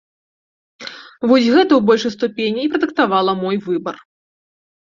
Вось гэта, у большай ступені, і прадыктавала мой выбар.